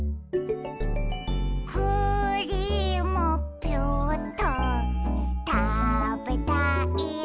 「クリームピューっとたべたいな」